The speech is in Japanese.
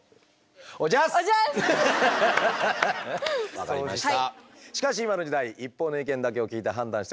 分かりました。